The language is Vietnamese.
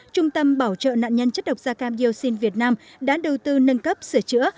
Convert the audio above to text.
trung tâm bảo trợ nạn nhân chất độc da cam dioxin việt nam đã đầu tư nâng cấp sửa chữa